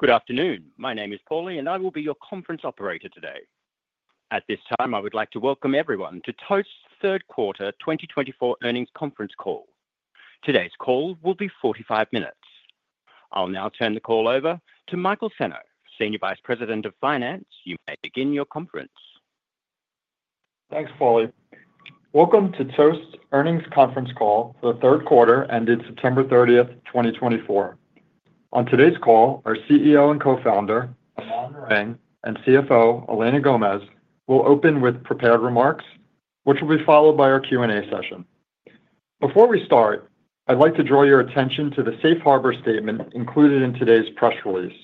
Good afternoon. My name is Paulie, and I will be your conference operator today. At this time, I would like to welcome everyone to Toast's Q3 2024 Earnings Conference Call. Today's call will be 45 minutes. I'll now turn the call over to Michael Senno, Senior Vice President of Finance. You may begin your conference. Thanks, Paulie. Welcome to Toast's Earnings Conference Call for the Q3 ended September 30, 2024. On today's call, our CEO and co-founder, Aman Narang, and CFO, Elena Gomez, will open with prepared remarks, which will be followed by our Q&A session. Before we start, I'd like to draw your attention to the Safe Harbor Statement included in today's press release.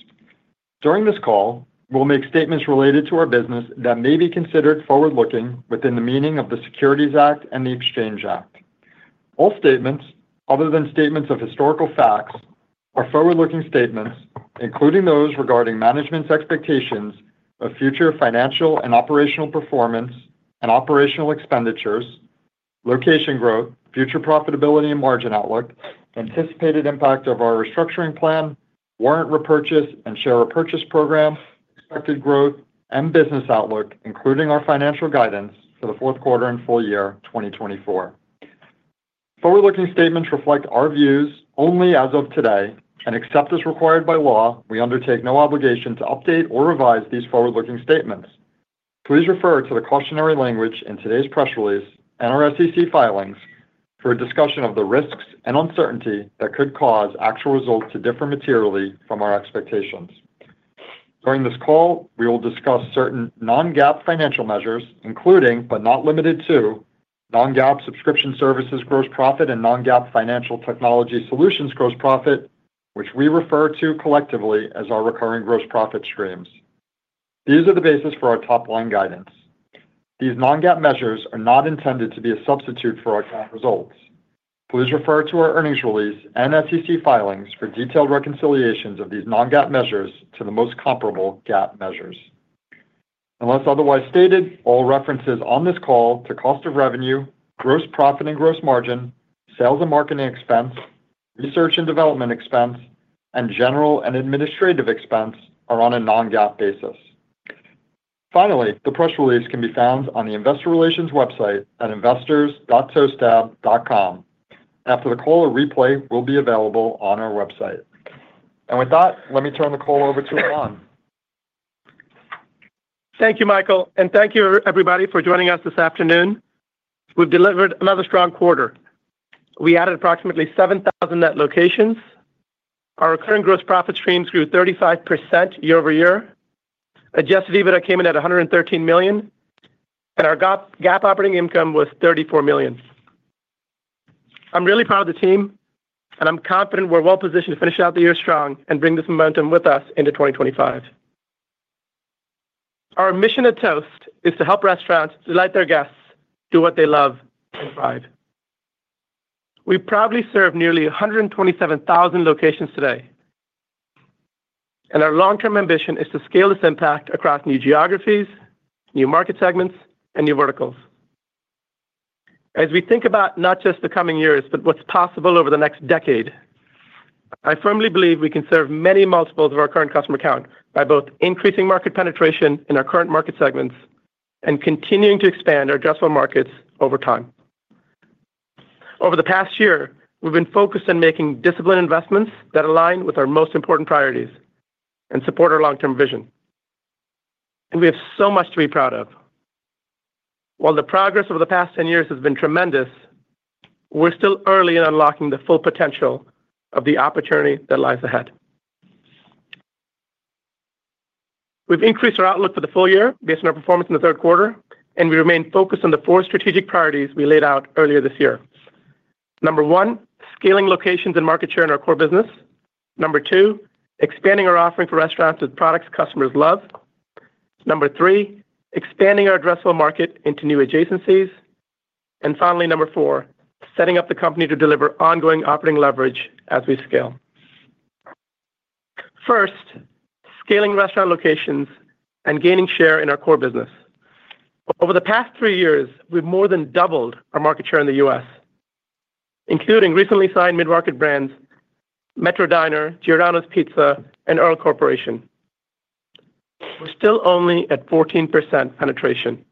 During this call, we'll make statements related to our business that may be considered forward-looking within the meaning of the Securities Act and the Exchange Act. All statements, other than statements of historical facts, are forward-looking statements, including those regarding management's expectations of future financial and operational performance and operational expenditures, location growth, future profitability and margin outlook, anticipated impact of our restructuring plan, warrant repurchase and share repurchase program, expected growth and business outlook, including our financial guidance for the Q4 and full year 2024. Forward-looking statements reflect our views only as of today, and except as required by law, we undertake no obligation to update or revise these forward-looking statements. Please refer to the cautionary language in today's press release and our SEC filings for a discussion of the risks and uncertainty that could cause actual results to differ materially from our expectations. During this call, we will discuss certain non-GAAP financial measures, including but not limited to non-GAAP subscription services gross profit and non-GAAP financial technology solutions gross profit, which we refer to collectively as our recurring gross profit streams. These are the basis for our top-line guidance. These non-GAAP measures are not intended to be a substitute for our GAAP results. Please refer to our earnings release and SEC filings for detailed reconciliations of these non-GAAP measures to the most comparable GAAP measures. Unless otherwise stated, all references on this call to cost of revenue, gross profit and gross margin, sales and marketing expense, research and development expense, and general and administrative expense are on a non-GAAP basis. Finally, the press release can be found on the investor relations website at investors.toasttab.com. After the call, a replay will be available on our website. And with that, let me turn the call over to Aman. Thank you, Michael, and thank you, everybody, for joining us this afternoon. We've delivered another strong quarter. We added approximately 7,000 net locations. Our recurring gross profit streams grew 35% year over year. Adjusted EBITDA came in at $113 million, and our GAAP operating income was $34 million. I'm really proud of the team, and I'm confident we're well positioned to finish out the year strong and bring this momentum with us into 2025. Our mission at Toast is to help restaurants delight their guests, do what they love, and thrive. We proudly serve nearly 127,000 locations today, and our long-term ambition is to scale this impact across new geographies, new market segments, and new verticals. As we think about not just the coming years, but what's possible over the next decade, I firmly believe we can serve many multiples of our current customer count by both increasing market penetration in our current market segments and continuing to expand our addressable markets over time. Over the past year, we've been focused on making disciplined investments that align with our most important priorities and support our long-term vision. And we have so much to be proud of. While the progress over the past 10 years has been tremendous, we're still early in unlocking the full potential of the opportunity that lies ahead. We've increased our outlook for the full year based on our performance in the Q3, and we remain focused on the four strategic priorities we laid out earlier this year. Number one, scaling locations and market share in our core business. Number two, expanding our offering for restaurants with products customers love. Number three, expanding our addressable market into new adjacencies. And finally, number four, setting up the company to deliver ongoing operating leverage as we scale. First, scaling restaurant locations and gaining share in our core business. Over the past three years, we've more than doubled our market share in the US, including recently signed mid-market brands Metro Diner, Giordano's Pizza, and Earl Enterprises. We're still only at 14% penetration.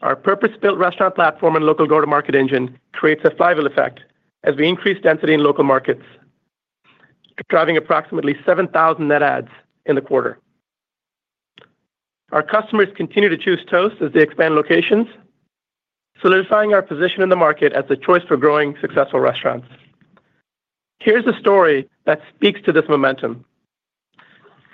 Our purpose-built restaurant platform and local go-to-market engine creates a flywheel effect as we increase density in local markets, driving approximately 7,000 net adds in the quarter. Our customers continue to choose Toast as they expand locations, solidifying our position in the market as a choice for growing successful restaurants. Here's a story that speaks to this momentum.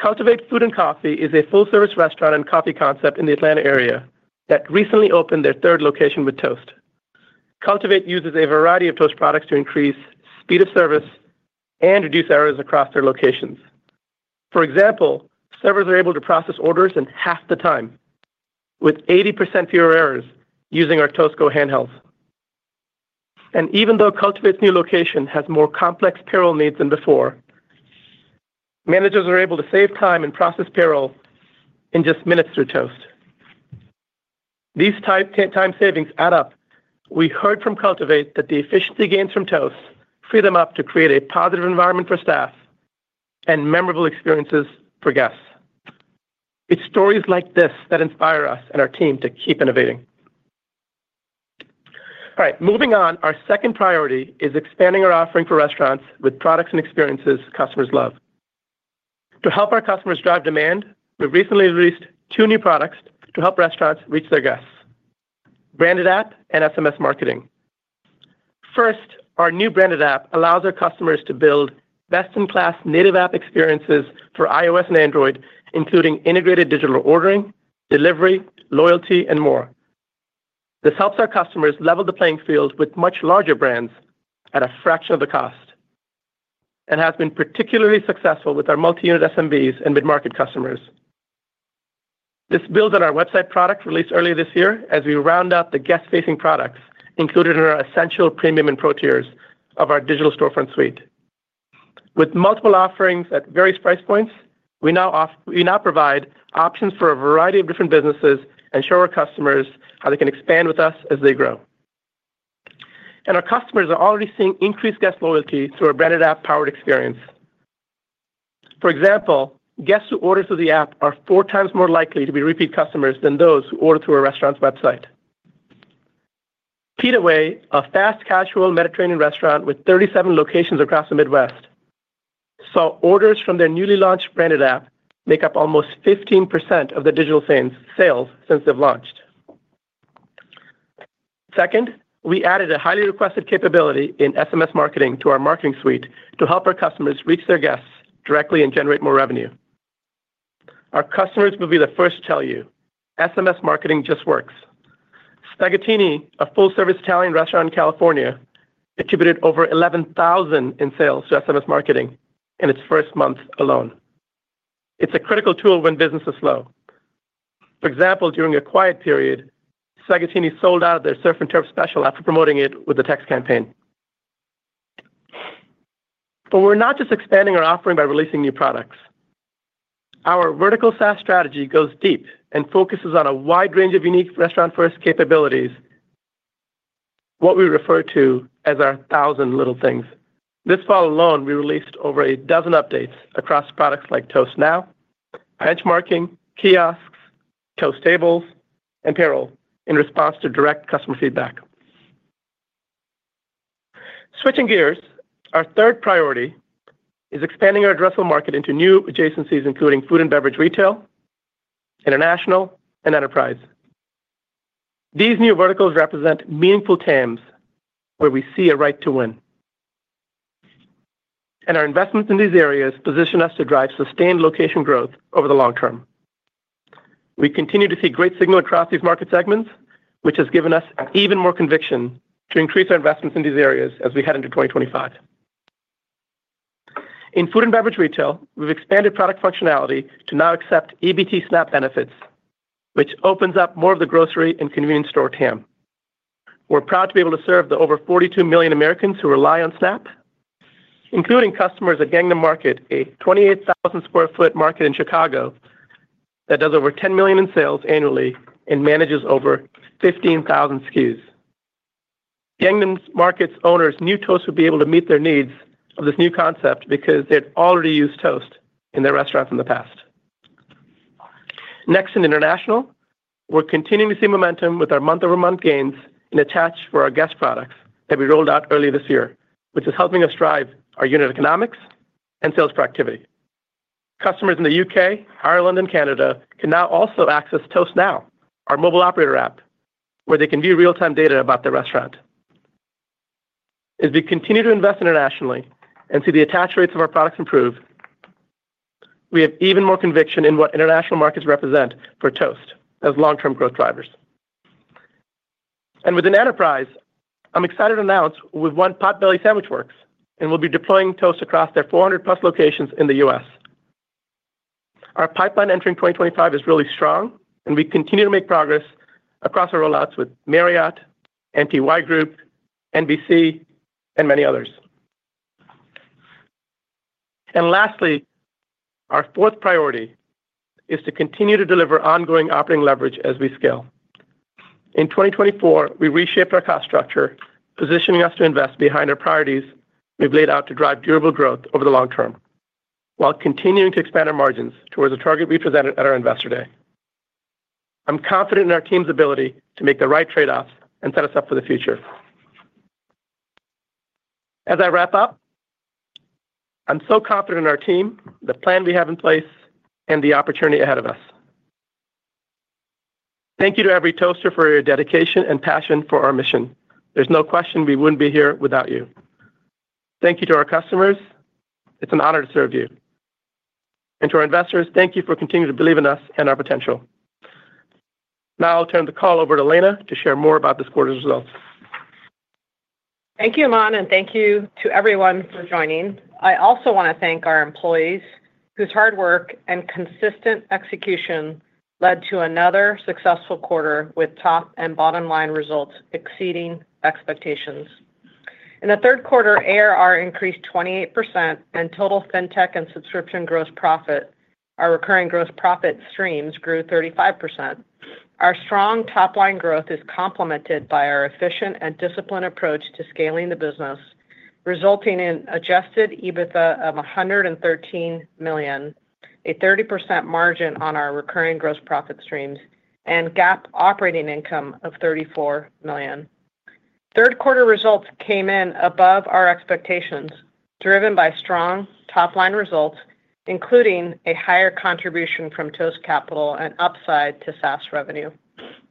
Cultivate Food & Coffee is a full-service restaurant and coffee concept in the Atlanta area that recently opened their third location with Toast. Cultivate uses a variety of Toast products to increase speed of service and reduce errors across their locations. For example, servers are able to process orders in half the time, with 80% fewer errors using our Toast Go handhelds. And even though Cultivate's new location has more complex payroll needs than before, managers are able to save time and process payroll in just minutes through Toast, these time savings add up. We heard from Cultivate that the efficiency gains from Toast free them up to create a positive environment for staff and memorable experiences for guests. It's stories like this that inspire us and our team to keep innovating. All right, moving on, our second priority is expanding our offering for restaurants with products and experiences customers love. To help our customers drive demand, we've recently released two new products to help restaurants reach their guests: Branded App and SMS Marketing. First, our new Branded App allows our customers to build best-in-class native app experiences for iOS and Android, including integrated digital ordering, delivery, loyalty, and more. This helps our customers level the playing field with much larger brands at a fraction of the cost and has been particularly successful with our multi-unit SMBs and mid-market customers. This builds on our website product released earlier this year as we round out the guest-facing products included in our Essential, Premium, and Pro tiers of our Digital Storefront Suite. With multiple offerings at various price points, we now provide options for a variety of different businesses and show our customers how they can expand with us as they grow. Our customers are already seeing increased guest loyalty through our Branded App-powered experience. For example, guests who order through the app are 4x more likely to be repeat customers than those who order through a restaurant's website. Pita Way, a fast-casual Mediterranean restaurant with 37 locations across the Midwest, saw orders from their newly launched branded app make up almost 15% of their digital sales since they've launched. Second, we added a highly requested capability in SMS marketing to our marketing suite to help our customers reach their guests directly and generate more revenue. Our customers will be the first to tell you SMS marketing just works. Spaghettini, a full-service Italian restaurant in California, attributed over $11,000 in sales to SMS Marketing in its first month alone. It's a critical tool when business is slow. For example, during a quiet period, Spaghettini sold out of their Surf and Turf special after promoting it with the text campaign. But we're not just expanding our offering by releasing new products. Our Vertical SaaS strategy goes deep and focuses on a wide range of unique restaurant-first capabilities, what we refer to as our thousand little things. This fall alone, we released over a dozen updates across products like Toast Now, Benchmarking, Kiosks, Toast Tables, and Payroll in response to direct customer feedback. Switching gears, our third priority is expanding our addressable market into new adjacencies, including food and beverage retail, international, and enterprise. These new verticals represent meaningful TAMs where we see a right to win. Our investments in these areas position us to drive sustained location growth over the long term. We continue to see great signal across these market segments, which has given us even more conviction to increase our investments in these areas as we head into 2025. In food and beverage retail, we've expanded product functionality to now accept EBT SNAP benefits, which opens up more of the grocery and convenience store TAM. We're proud to be able to serve the over 42 million Americans who rely on SNAP, including customers at Gangnam Market, a 28,000 sq ft market in Chicago that does over $10 million in sales annually and manages over 15,000 SKUs. Gangnam Market's owners knew Toast would be able to meet their needs of this new concept because they had already used Toast in their restaurants in the past. Next, in international, we're continuing to see momentum with our month-over-month gains in attach for our guest products that we rolled out earlier this year, which is helping us drive our unit economics and sales productivity. Customers in the UK, Ireland, and Canada can now also access Toast Now, our mobile operator app, where they can view real-time data about their restaurant. As we continue to invest internationally and see the attach rates of our products improve, we have even more conviction in what international markets represent for Toast as long-term growth drivers. And within enterprise, I'm excited to announce we've won Potbelly Sandwich Works and we'll be deploying Toast across their 400+ locations in the US Our pipeline entering 2025 is really strong, and we continue to make progress across our rollouts with Marriott, MTY Group, NBC, and many others. Lastly, our fourth priority is to continue to deliver ongoing operating leverage as we scale. In 2024, we reshaped our cost structure, positioning us to invest behind our priorities we've laid out to drive durable growth over the long term while continuing to expand our margins towards a target we presented at our Investor Day. I'm confident in our team's ability to make the right trade-offs and set us up for the future. As I wrap up, I'm so confident in our team, the plan we have in place, and the opportunity ahead of us. Thank you to every Toaster for your dedication and passion for our mission. There's no question we wouldn't be here without you. Thank you to our customers. It's an honor to serve you. To our investors, thank you for continuing to believe in us and our potential. Now I'll turn the call over to Elena to share more about this quarter's results. Thank you, Aman, and thank you to everyone for joining. I also want to thank our employees whose hard work and consistent execution led to another successful quarter with top and bottom-line results exceeding expectations. In the Q3, ARR increased 28%, and total fintech and subscription gross profit, our recurring gross profit streams, grew 35%. Our strong top-line growth is complemented by our efficient and disciplined approach to scaling the business, resulting in Adjusted EBITDA of $113 million, a 30% margin on our recurring gross profit streams, and GAAP operating income of $34 million. Q3 results came in above our expectations, driven by strong top-line results, including a higher contribution from Toast Capital and upside to SaaS revenue.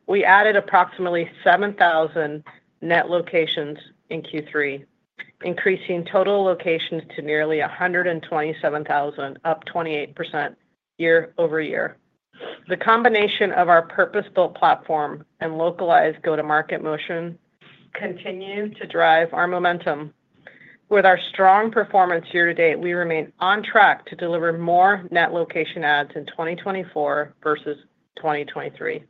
We added approximately 7,000 net locations in Q3, increasing total locations to nearly 127,000, up 28% year over year. The combination of our purpose-built platform and localized go-to-market motion continues to drive our momentum. With our strong performance year to date, we remain on track to deliver more net location adds in 2024 versus 2023.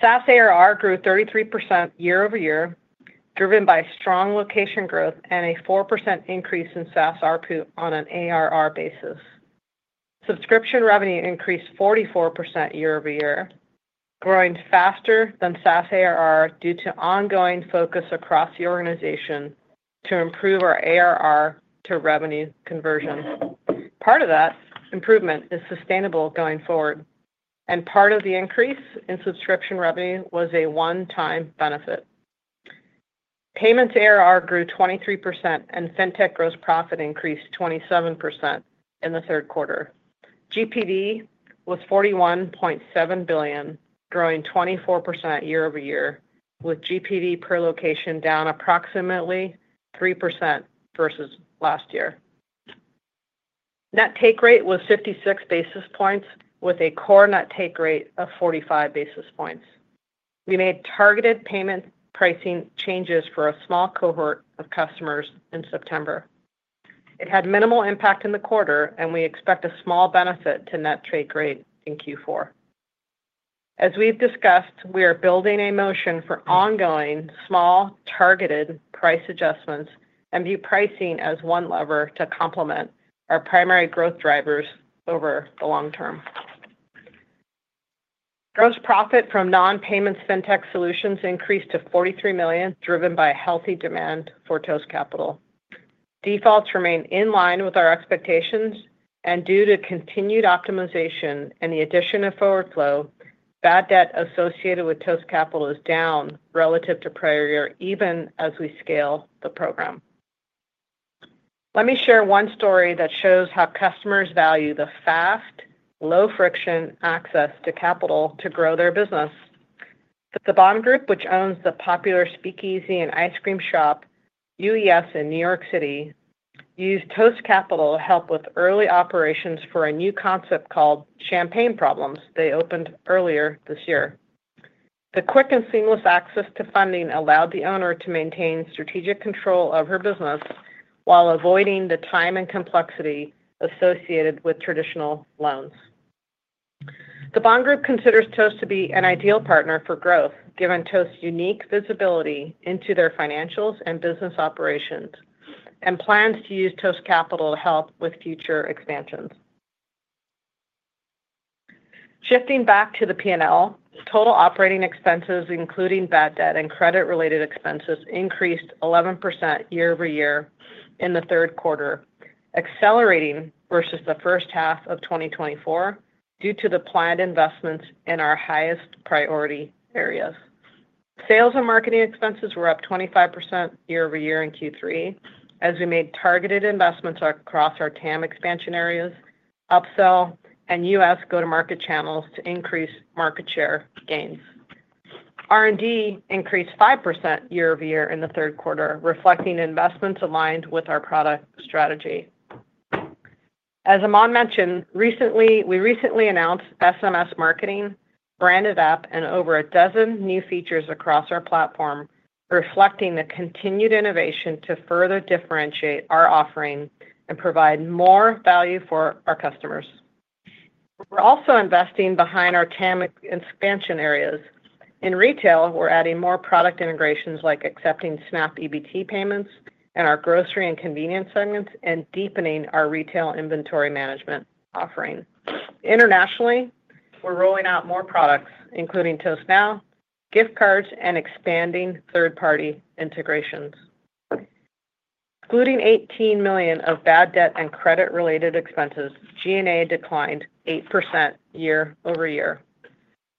SaaS ARR grew 33% year over year, driven by strong location growth and a 4% increase in SaaS RPU on an ARR basis. Subscription revenue increased 44% year over year, growing faster than SaaS ARR due to ongoing focus across the organization to improve our ARR to revenue conversion. Part of that improvement is sustainable going forward, and part of the increase in subscription revenue was a one-time benefit. Payments ARR grew 23%, and fintech gross profit increased 27% in the Q3. GPV was $41.7 billion, growing 24% year over year, with GPV per location down approximately 3% versus last year. Net take rate was 56 basis points, with a core net take rate of 45 basis points. We made targeted payment pricing changes for a small cohort of customers in September. It had minimal impact in the quarter, and we expect a small benefit to net take rate in Q4. As we've discussed, we are building a motion for ongoing small targeted price adjustments and view pricing as one lever to complement our primary growth drivers over the long term. Gross profit from non-payment fintech solutions increased to $43 million, driven by healthy demand for Toast Capital. Defaults remain in line with our expectations, and due to continued optimization and the addition of forward flow, bad debt associated with Toast Capital is down relative to prior year, even as we scale the program. Let me share one story that shows how customers value the fast, low-friction access to capital to grow their business. The Bond Group, which owns the popular speakeasy and ice cream shop UES in New York City, used Toast Capital to help with early operations for a new concept called Champagne Problems they opened earlier this year. The quick and seamless access to funding allowed the owner to maintain strategic control of her business while avoiding the time and complexity associated with traditional loans. The Bond Group considers Toast to be an ideal partner for growth, given Toast's unique visibility into their financials and business operations, and plans to use Toast Capital to help with future expansions. Shifting back to the P&L, total operating expenses, including bad debt and credit-related expenses, increased 11% year over year in the Q3, accelerating versus the first half of 2024 due to the planned investments in our highest priority areas. Sales and marketing expenses were up 25% year over year in Q3 as we made targeted investments across our TAM expansion areas, upsell, and US go-to-market channels to increase market share gains. R&D increased 5% year over year in the Q3, reflecting investments aligned with our product strategy. As Aman mentioned, we recently announced SMS marketing, branded app, and over a dozen new features across our platform, reflecting the continued innovation to further differentiate our offering and provide more value for our customers. We're also investing behind our TAM expansion areas. In retail, we're adding more product integrations like accepting SNAP EBT payments in our grocery and convenience segments and deepening our retail inventory management offering. Internationally, we're rolling out more products, including Toast Now, gift cards, and expanding third-party integrations. Excluding $18 million of bad debt and credit-related expenses, G&A declined 8% year over year.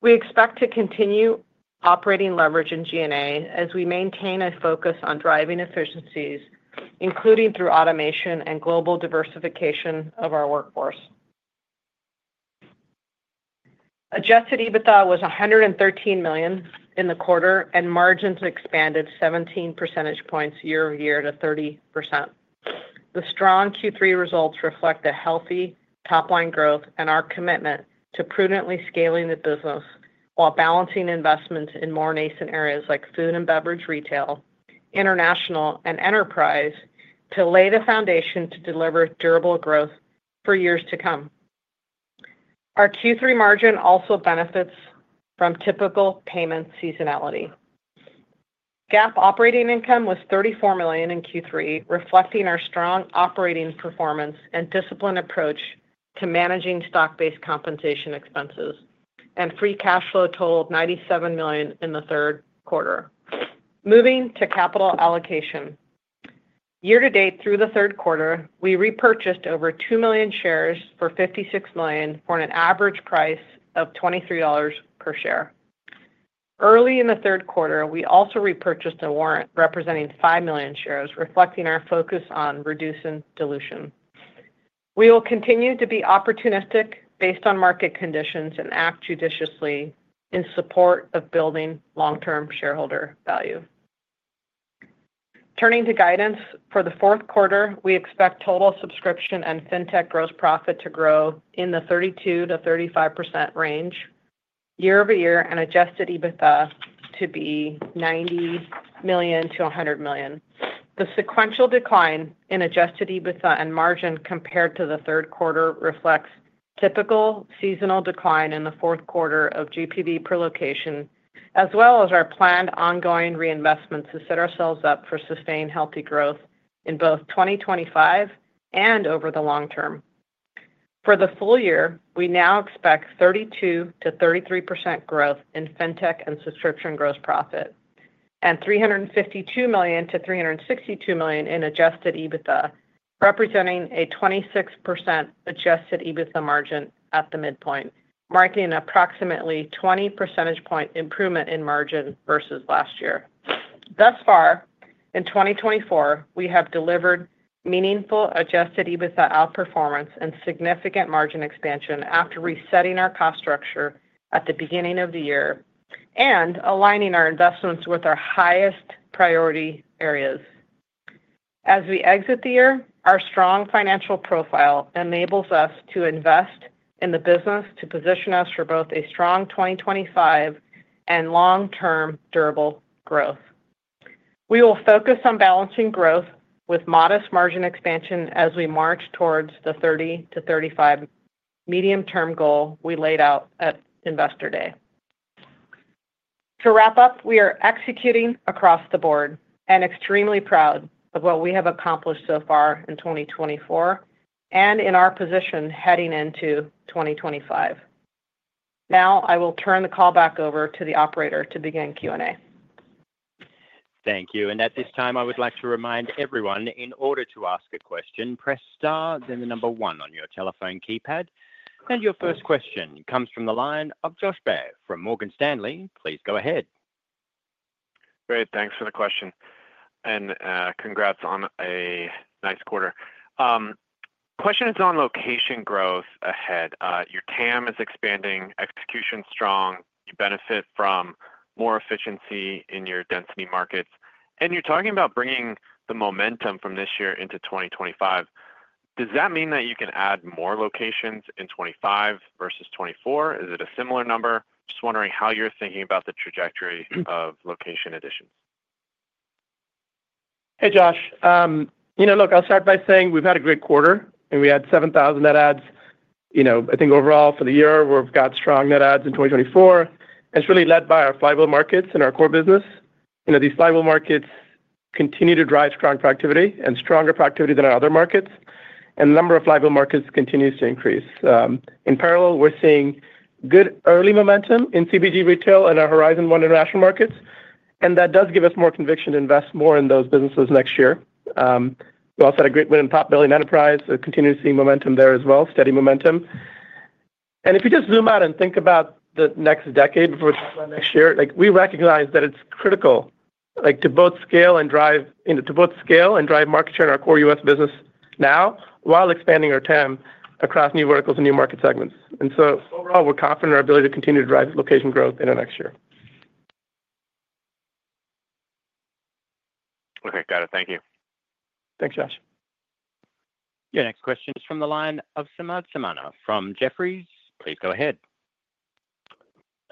We expect to continue operating leverage in G&A as we maintain a focus on driving efficiencies, including through automation and global diversification of our workforce. Adjusted EBITDA was $113 million in the quarter, and margins expanded 17 percentage points year over year to 30%. The strong Q3 results reflect a healthy top-line growth and our commitment to prudently scaling the business while balancing investments in more nascent areas like food and beverage retail, international, and enterprise to lay the foundation to deliver durable growth for years to come. Our Q3 margin also benefits from typical payment seasonality. GAAP operating income was $34 million in Q3, reflecting our strong operating performance and disciplined approach to managing stock-based compensation expenses, and free cash flow totaled $97 million in the Q3. Moving to capital allocation. Year to date, through the Q3, we repurchased over two million shares for $56 million for an average price of $23 per share. Early in the Q3, we also repurchased a warrant representing five million shares, reflecting our focus on reducing dilution. We will continue to be opportunistic based on market conditions and act judiciously in support of building long-term shareholder value. Turning to guidance for the Q4, we expect total subscription and fintech gross profit to grow in the 32%-35% range year over year and Adjusted EBITDA to be $90 to 100 million. The sequential decline in Adjusted EBITDA and margin compared to the Q4 reflects typical seasonal decline in the Q4 of GPV per location, as well as our planned ongoing reinvestments to set ourselves up for sustained healthy growth in both 2025 and over the long term. For the full year, we now expect 32%-33% growth in fintech and subscription gross profit and $352 to 362 million in Adjusted EBITDA, representing a 26% Adjusted EBITDA margin at the midpoint, marking an approximately 20 percentage point improvement in margin versus last year. Thus far, in 2024, we have delivered meaningful Adjusted EBITDA outperformance and significant margin expansion after resetting our cost structure at the beginning of the year and aligning our investments with our highest priority areas. As we exit the year, our strong financial profile enables us to invest in the business to position us for both a strong 2025 and long-term durable growth. We will focus on balancing growth with modest margin expansion as we march towards the 30-35 million medium-term goal we laid out at Investor Day. To wrap up, we are executing across the board and extremely proud of what we have accomplished so far in 2024 and in our position heading into 2025. Now I will turn the call back over to the operator to begin Q&A. Thank you. And at this time, I would like to remind everyone, in order to ask a question, press Star, then the number one on your telephone keypad. And your first question comes from the line of Josh Baer from Morgan Stanley. Please go ahead. Great. Thanks for the question. And congrats on a nice quarter. Question is on location growth ahead. Your TAM is expanding, execution strong. You benefit from more efficiency in your density markets. And you're talking about bringing the momentum from this year into 2025. Does that mean that you can add more locations in 2025 versus 2024? Is it a similar number? Just wondering how you're thinking about the trajectory of location additions. Hey, Josh. You know, look, I'll start by saying we've had a great quarter, and we had 7,000 net adds. You know, I think overall for the year, we've got strong net adds in 2024, and it's really led by our flywheel markets and our core business. You know, these flywheel markets continue to drive strong productivity and stronger productivity than our other markets, and the number of flywheel markets continues to increase. In parallel, we're seeing good early momentum in CBG retail and our Horizon One international markets, and that does give us more conviction to invest more in those businesses next year. We also had a great win in Potbelly enterprise. We're continuing to see momentum there as well, steady momentum. And if you just zoom out and think about the next decade before we talk about next year, like we recognize that it's critical, like to both scale and drive, you know, market share in our core US business now while expanding our TAM across new verticals and new market segments. And so overall, we're confident in our ability to continue to drive location growth in our next year. Okay. Got it. Thank you. Thanks, Josh. Your next question is from the line of Samad Samana from Jefferies. Please go ahead.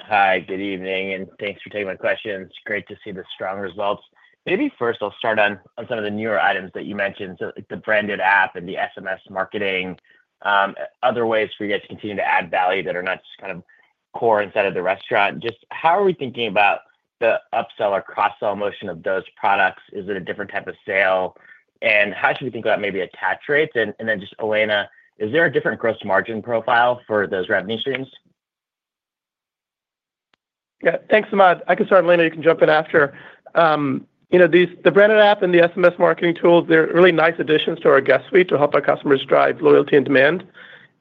Hi, good evening, and thanks for taking my questions. Great to see the strong results. Maybe first I'll start on some of the newer items that you mentioned. So like the branded app and the SMS marketing, other ways for you guys to continue to add value that are not just kind of core inside of the restaurant. Just how are we thinking about the upsell or cross-sell motion of those products? Is it a different type of sale? And how should we think about maybe attach rates? And then just Elena, is there a different gross margin profile for those revenue streams? Yeah. Thanks, Samad. I can start. Elena, you can jump in after. You know, the branded app and the SMS marketing tools, they're really nice additions to our guest suite to help our customers drive loyalty and demand.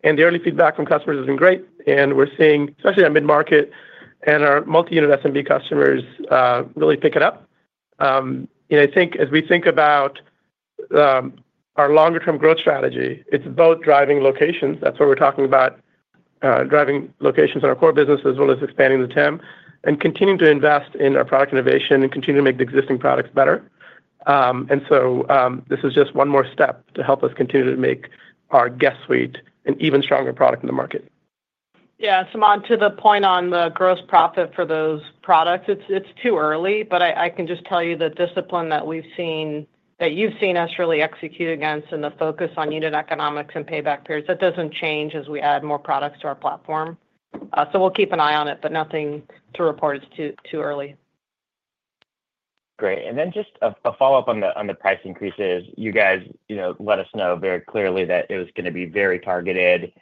And the early feedback from customers has been great. And we're seeing, especially our mid-market and our multi-unit SMB customers really pick it up. You know, I think as we think about our longer-term growth strategy, it's both driving locations. That's what we're talking about, driving locations in our core business as well as expanding the TAM and continuing to invest in our product innovation and continue to make the existing products better. And so this is just one more step to help us continue to make our guest suite an even stronger product in the market. Yeah. Samad, to the point on the gross profit for those products, it's too early, but I can just tell you the discipline that we've seen, that you've seen us really execute against and the focus on unit economics and payback periods, that doesn't change as we add more products to our platform. So we'll keep an eye on it, but nothing to report. It's too early. Great. And then just a follow-up on the price increases. You guys, you know, let us know very clearly that it was going to be very targeted.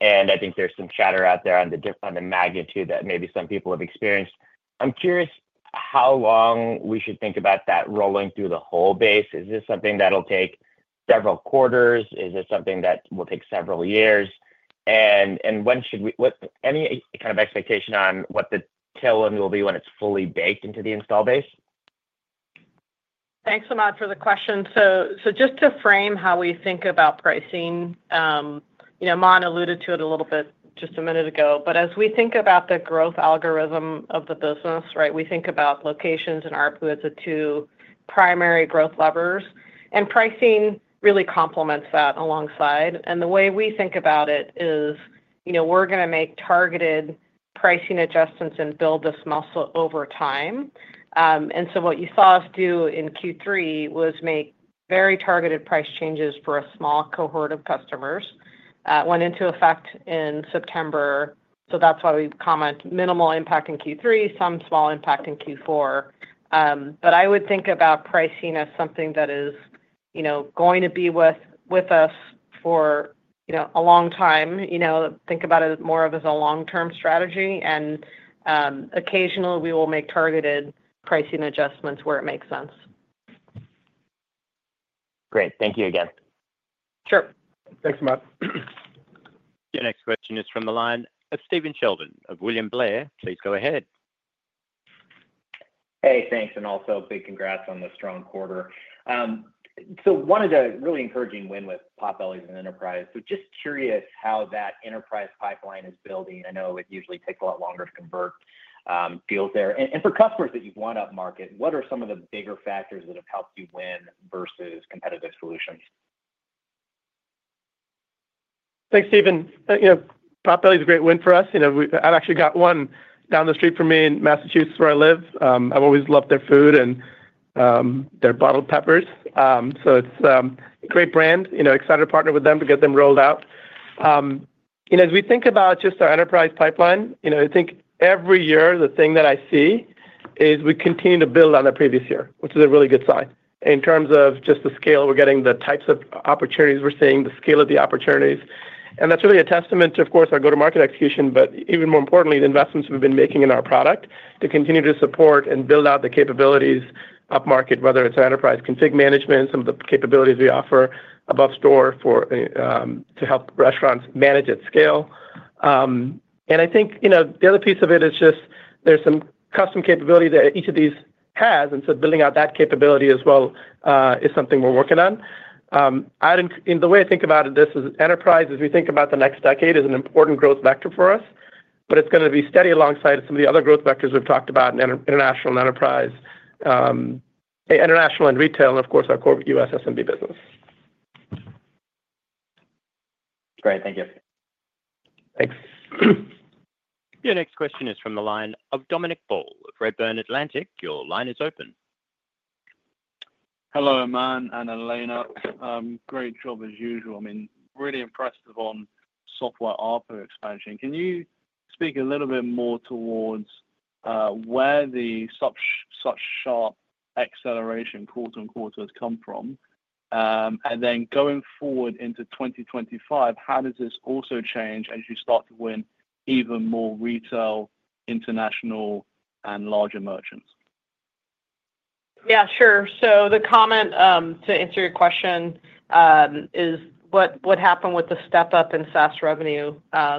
And I think there's some chatter out there on the magnitude that maybe some people have experienced. I'm curious how long we should think about that rolling through the whole base. Is this something that'll take several quarters? Is this something that will take several years? And when should we, what, any kind of expectation on what the tail end will be when it's fully baked into the install base? Thanks, Samad, for the question. So just to frame how we think about pricing, you know, Aman alluded to it a little bit just a minute ago, but as we think about the growth algorithm of the business, right, we think about locations and ARPU as the two primary growth levers. And pricing really complements that alongside. And the way we think about it is, you know, we're going to make targeted pricing adjustments and build this muscle over time. And so what you saw us do in Q3 was make very targeted price changes for a small cohort of customers. It went into effect in September. So that's why we comment minimal impact in Q3, some small impact in Q4. But I would think about pricing as something that is, you know, going to be with us for, you know, a long time. You know, think about it more of as a long-term strategy, and occasionally we will make targeted pricing adjustments where it makes sense. Great. Thank you again. Sure. Thanks, Samad. Your next question is from the line of Stephen Sheldon of William Blair. Please go ahead. Hey, thanks. And also big congrats on the strong quarter. So one of the really encouraging win with Potbelly's and enterprise. So just curious how that enterprise pipeline is building. I know it usually takes a lot longer to convert deals there. And for customers that you've won up market, what are some of the bigger factors that have helped you win versus competitive solutions? Thanks, Stephen. You know, Potbelly's a great win for us. You know, I've actually got one down the street from me in Massachusetts where I live. I've always loved their food and their bottled peppers. So it's a great brand. You know, excited to partner with them to get them rolled out. You know, as we think about just our enterprise pipeline, you know, I think every year the thing that I see is we continue to build on the previous year, which is a really good sign in terms of just the scale we're getting, the types of opportunities we're seeing, the scale of the opportunities. That's really a testament to, of course, our go-to-market execution, but even more importantly, the investments we've been making in our product to continue to support and build out the capabilities up market, whether it's enterprise config management, some of the capabilities we offer above store to help restaurants manage at scale. I think, you know, the other piece of it is just there's some custom capability that each of these has. So building out that capability as well is something we're working on. I think the way I think about this is enterprise, as we think about the next decade, is an important growth vector for us, but it's going to be steady alongside some of the other growth vectors we've talked about in international and enterprise, international and retail, and of course our core US SMB business. Great. Thank you. Thanks. Your next question is from the line of Dominic Ball of Redburn Atlantic. Your line is open. Hello, Aman and Elena. Great job as usual. I mean, really impressed upon software ARPU expansion. Can you speak a little bit more towards where the such sharp acceleration quarter on quarter has come from? And then going forward into 2025, how does this also change as you start to win even more retail, international, and larger merchants? Yeah, sure. So the comment to answer your question is what happened with the step-up in SaaS revenue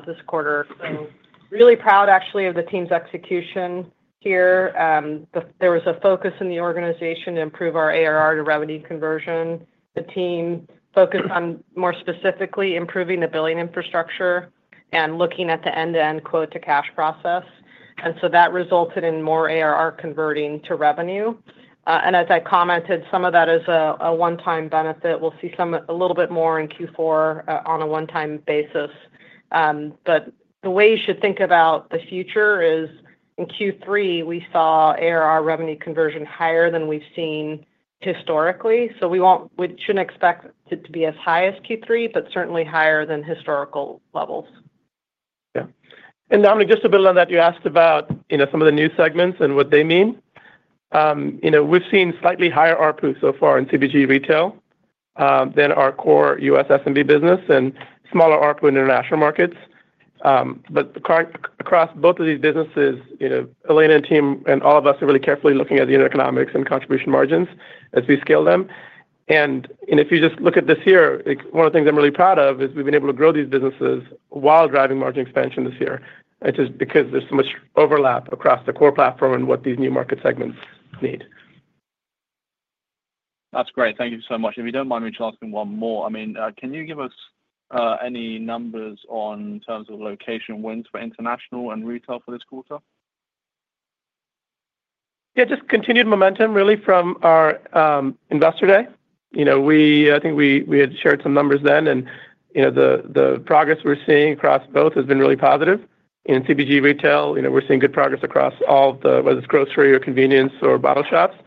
this quarter. So really proud actually of the team's execution here. There was a focus in the organization to improve our ARR to revenue conversion. The team focused on more specifically improving the billing infrastructure and looking at the end-to-end quote-to-cash process. And so that resulted in more ARR converting to revenue. And as I commented, some of that is a one-time benefit. We'll see some a little bit more in Q4 on a one-time basis. But the way you should think about the future is in Q3, we saw ARR revenue conversion higher than we've seen historically. So we shouldn't expect it to be as high as Q3, but certainly higher than historical levels. Yeah. And Aman, just to build on that, you asked about, you know, some of the new segments and what they mean. You know, we've seen slightly higher ARPU so far in CBG retail than our core US SMB business and smaller ARPU international markets. But across both of these businesses, you know, Elena and team and all of us are really carefully looking at the unit economics and contribution margins as we scale them. And if you just look at this year, one of the things I'm really proud of is we've been able to grow these businesses while driving margin expansion this year, which is because there's so much overlap across the core platform and what these new market segments need. That's great. Thank you so much. If you don't mind, we should ask them one more. I mean, can you give us any numbers in terms of location wins for international and retail for this quarter? Yeah, just continued momentum really from our Investor Day. You know, I think we had shared some numbers then. And you know, the progress we're seeing across both has been really positive. In CBG retail, you know, we're seeing good progress across all of the, whether it's grocery or convenience or bottle shops.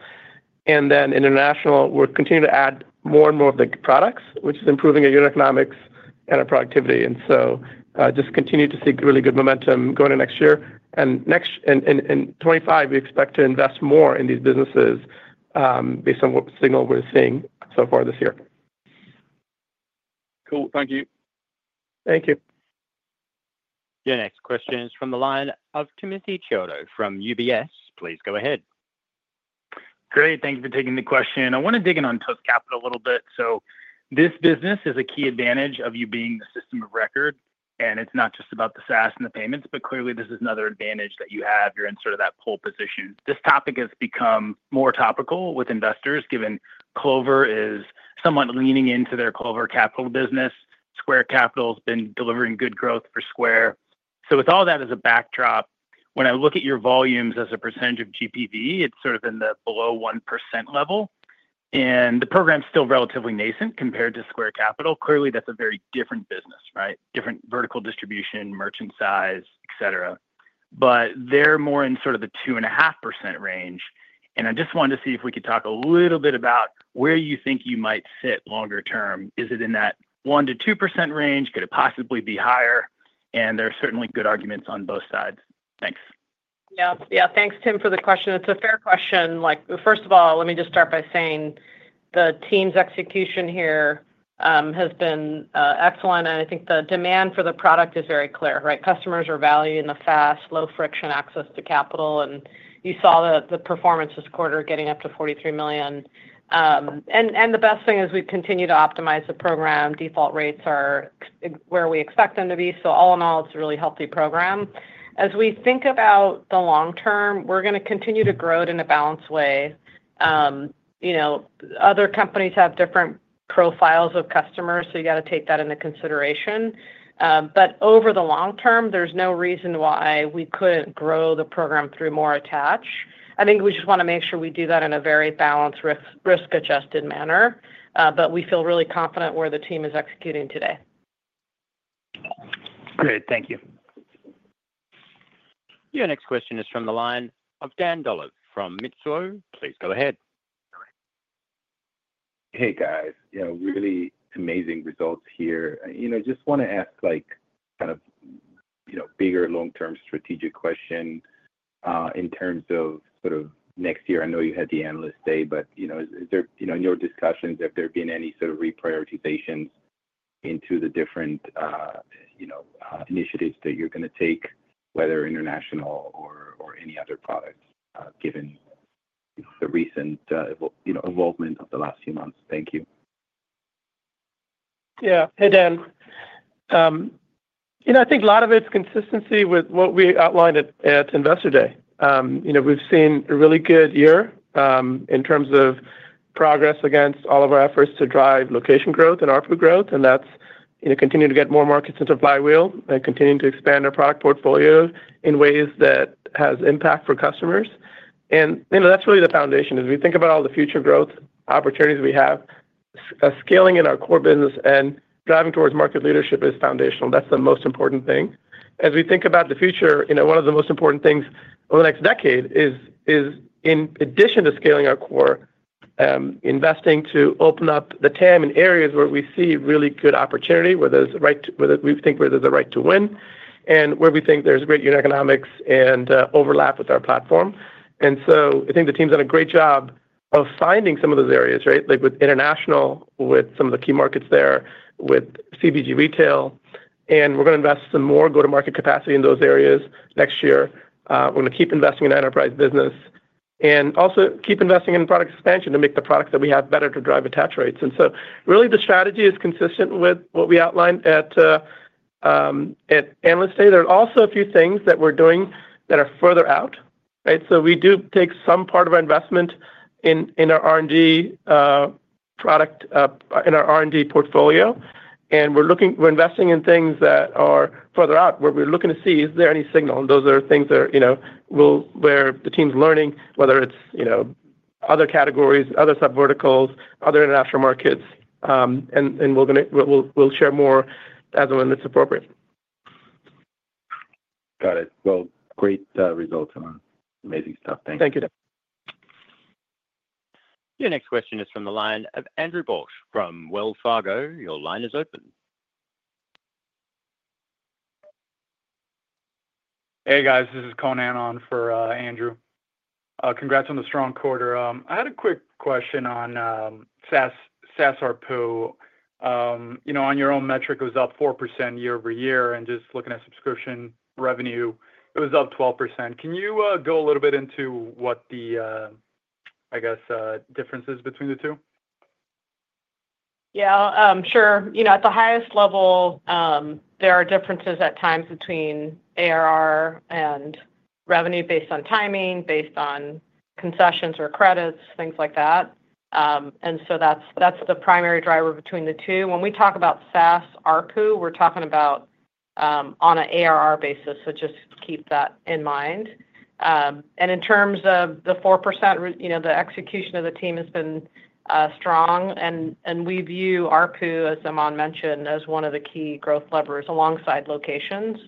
And then international, we're continuing to add more and more of the products, which is improving our unit economics and our productivity. And so just continue to see really good momentum going into next year. And next in 2025, we expect to invest more in these businesses based on what signal we're seeing so far this year. Cool. Thank you. Thank you. Your next question is from the line of Timothy Chiodo from UBS. Please go ahead. Great. Thank you for taking the question. I want to dig in on Toast Capital a little bit. So this business is a key advantage of you being the system of record. And it's not just about the SaaS and the payments, but clearly this is another advantage that you have. You're in sort of that pull position. This topic has become more topical with investors given Clover is somewhat leaning into their Clover Capital business. Square Capital has been delivering good growth for Square. So with all that as a backdrop, when I look at your volumes as a percentage of GPV, it's sort of in the below 1% level. And the program's still relatively nascent compared to Square Capital. Clearly, that's a very different business, right? Different vertical distribution, merchant size, et cetera. But they're more in sort of the 2.5% range. And I just wanted to see if we could talk a little bit about where you think you might sit longer term. Is it in that 1%-2% range? Could it possibly be higher? And there are certainly good arguments on both sides. Thanks. Yeah. Yeah. Thanks, Tim, for the question. It's a fair question. Like, first of all, let me just start by saying the team's execution here has been excellent. And I think the demand for the product is very clear, right? Customers are valuing the fast, low-friction access to capital. And you saw the performance this quarter getting up to $43 million. And the best thing is we continue to optimize the program. Default rates are where we expect them to be. So all in all, it's a really healthy program. As we think about the long term, we're going to continue to grow it in a balanced way. You know, other companies have different profiles of customers, so you got to take that into consideration. But over the long term, there's no reason why we couldn't grow the program through more attach. I think we just want to make sure we do that in a very balanced, risk-adjusted manner, but we feel really confident where the team is executing today. Great. Thank you. Your next question is from the line of Dan Dolev from Mizuho. Please go ahead. Hey, guys. You know, really amazing results here. You know, just want to ask like kind of, you know, bigger long-term strategic question in terms of sort of next year. I know you had the Analyst Day, but you know, is there, you know, in your discussions, have there been any sort of reprioritizations into the different, you know, initiatives that you're going to take, whether international or any other products given the recent, you know, involvement of the last few months? Thank you. Yeah. Hey, Dan. You know, I think a lot of it's consistency with what we outlined at Investor Day. You know, we've seen a really good year in terms of progress against all of our efforts to drive location growth and ARPU growth. And that's, you know, continuing to get more markets into the flywheel and continuing to expand our product portfolio in ways that have impact for customers. And you know, that's really the foundation. As we think about all the future growth opportunities we have, scaling in our core business and driving towards market leadership is foundational. That's the most important thing. As we think about the future, you know, one of the most important things over the next decade is, in addition to scaling our core, investing to open up the TAM in areas where we see really good opportunity, where there's a right, where we think where there's a right to win and where we think there's great unit economics and overlap with our platform. And so I think the team's done a great job of finding some of those areas, right? Like with international, with some of the key markets there, with CBG retail. And we're going to invest some more go-to-market capacity in those areas next year. We're going to keep investing in enterprise business and also keep investing in product expansion to make the products that we have better to drive attach rates. And so really the strategy is consistent with what we outlined at Analyst Day. There are also a few things that we're doing that are further out, right? So we do take some part of our investment in our R&D product, in our R&D portfolio. And we're looking, we're investing in things that are further out where we're looking to see is there any signal. And those are things that are, you know, where the team's learning, whether it's, you know, other categories, other subverticals, other international markets. And we'll share more as and when it's appropriate. Got it. Well, great results and amazing stuff. Thanks. Thank you. Your next question is from the line of Andrew Bauch from Wells Fargo. Your line is open. Hey, guys. This is Conan on for Andrew. Congrats on the strong quarter. I had a quick question on SaaS ARPU. You know, on your own metric, it was up 4% year over year. And just looking at subscription revenue, it was up 12%. Can you go a little bit into what the, I guess, differences between the two? Yeah. Sure. You know, at the highest level, there are differences at times between ARR and revenue based on timing, based on concessions or credits, things like that. And so that's the primary driver between the two. When we talk about SaaS ARPU, we're talking about on an ARR basis, so just keep that in mind. And in terms of the 4%, you know, the execution of the team has been strong. And we view ARPU, as Aman mentioned, as one of the key growth levers alongside locations.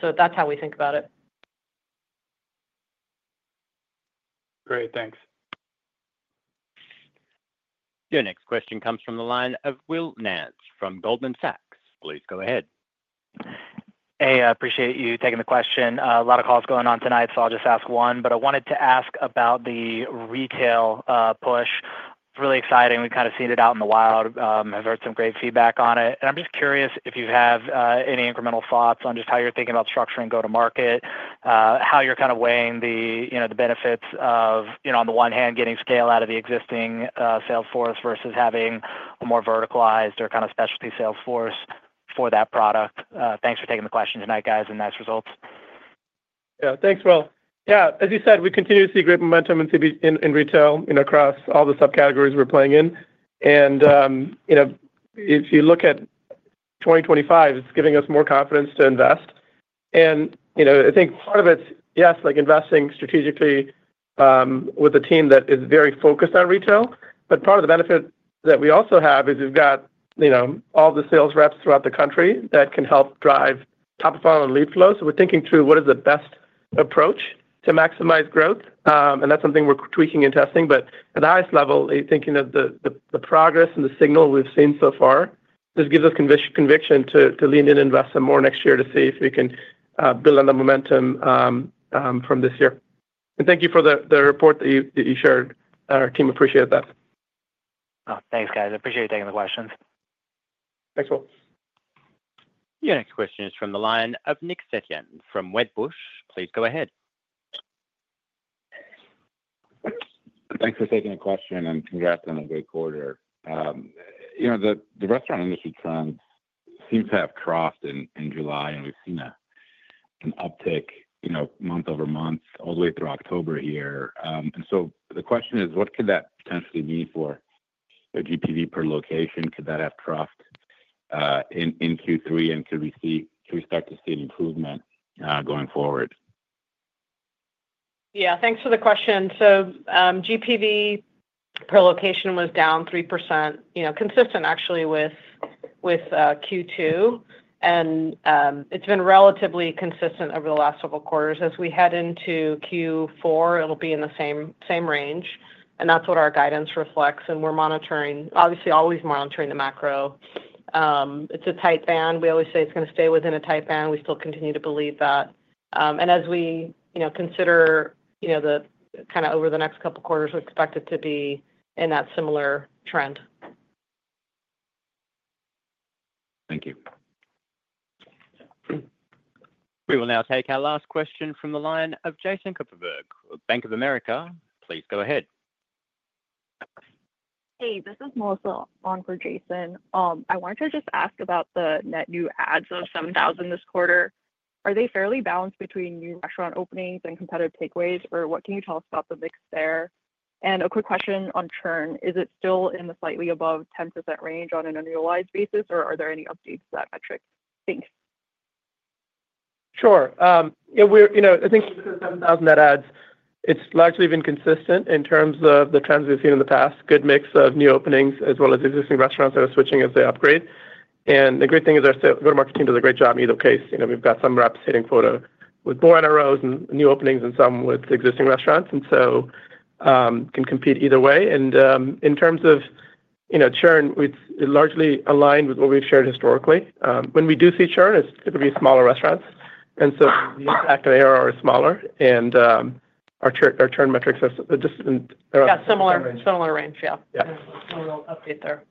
So that's how we think about it. Great. Thanks. Your next question comes from the line of Will Nance from Goldman Sachs. Please go ahead. Hey, I appreciate you taking the question. A lot of calls going on tonight, so I'll just ask one. But I wanted to ask about the retail push. It's really exciting. We've kind of seen it out in the wild. I've heard some great feedback on it. And I'm just curious if you have any incremental thoughts on just how you're thinking about structuring go-to-market, how you're kind of weighing the, you know, the benefits of, you know, on the one hand, getting scale out of the existing Salesforce versus having a more verticalized or kind of specialty Salesforce for that product. Thanks for taking the question tonight, guys, and nice results. Yeah. Thanks, Will. Yeah. As you said, we continue to see great momentum in retail, you know, across all the subcategories we're playing in. And, you know, if you look at 2025, it's giving us more confidence to invest. And, you know, I think part of it's, yes, like investing strategically with a team that is very focused on retail. But part of the benefit that we also have is we've got, you know, all the sales reps throughout the country that can help drive top of funnel and lead flow. So we're thinking through what is the best approach to maximize growth. And that's something we're tweaking and testing. But at the highest level, thinking of the progress and the signal we've seen so far, this gives us conviction to lean in and invest some more next year to see if we can build on the momentum from this year. And thank you for the report that you shared. Our team appreciates that. Thanks, guys. Appreciate you taking the questions. Thanks, Will. Your next question is from the line of Nick Setyan from Wedbush. Please go ahead. Thanks for taking the question and congrats on a great quarter. You know, the restaurant industry trends seem to have troughed in July, and we've seen an uptick, you know, month over month all the way through October here. And so the question is, what could that potentially mean for GPV per location? Could that have troughed in Q3? And could we see, could we start to see an improvement going forward? Yeah. Thanks for the question. So GPV per location was down 3%, you know, consistent actually with Q2. And it's been relatively consistent over the last several quarters. As we head into Q4, it'll be in the same range. And that's what our guidance reflects. And we're monitoring, obviously always monitoring the macro. It's a tight band. We always say it's going to stay within a tight band. We still continue to believe that. And as we, you know, consider, you know, the kind of over the next couple of quarters, we expect it to be in that similar trend. Thank you. We will now take our last question from the line of Jason Kupferberg of Bank of America. Please go ahead. Hey, this is Melissa on for Jason. I wanted to just ask about the net new adds of 7,000 this quarter. Are they fairly balanced between new restaurant openings and competitive takeaways? Or what can you tell us about the mix there? And a quick question on churn, is it still in the slightly above 10% range on an annualized basis, or are there any updates to that metric? Thanks. Sure. Yeah. We're, you know, I think with the 7,000 net adds, it's largely been consistent in terms of the trends we've seen in the past. Good mix of new openings as well as existing restaurants that are switching as they upgrade. And the great thing is our go-to-market team does a great job in either case. You know, we've got some reps hitting quota with more NROs and new openings and some with existing restaurants. And so can compete either way. And in terms of, you know, churn, it's largely aligned with what we've shared historically. When we do see churn, it's typically smaller restaurants. And so the impact of ARR is smaller. And our churn metrics are just in. Yeah. Similar range. Yeah. Yeah. We'll update there.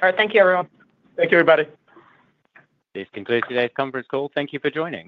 All right. Thank you, everyone. Thank you, everybody. This concludes today's conference call. Thank you for joining.